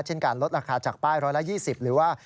เช่นการลดราคาจากป้าย๑๒๐หรือว่า